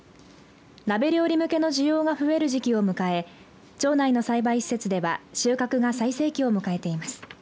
鍋料理向けの需要が増える時期を迎え町内の栽培施設では収穫最盛期を迎えています。